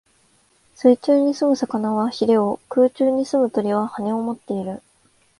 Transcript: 水中に棲む魚は鰭を、空中に棲む鳥は翅をもっている。